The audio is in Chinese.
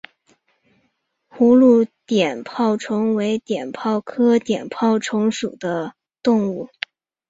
葫芦碘泡虫为碘泡科碘泡虫属的动物。